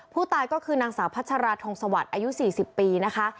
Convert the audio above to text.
ผู้ตายก็คือนางสาวพัชราธงสวัสดิ์อายุ๔๐ปีนะคะ